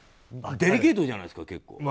デリケートじゃないですか、結構。